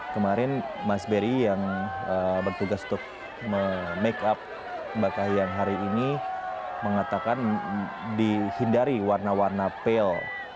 kemarin mas berry yang bertugas untuk makeup mbak kahyang hari ini mengatakan dihindari warna warna pale